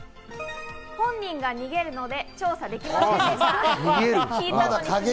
本人が逃げるので調査できず。